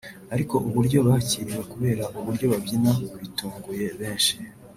ariko uburyo bakiriwe kubera uburyo babyina bitunguye benshi